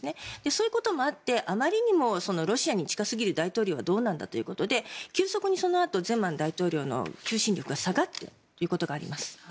そういうこともあってあまりにもロシアに近すぎる大統領はどうなんだということで急速にそのあとゼマン大統領の求心力が下がったということがあります。